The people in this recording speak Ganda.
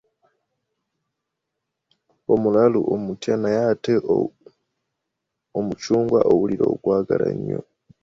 Omulalu omutya naye ate n'omucungwa owulira ng'ogwagala nnyo.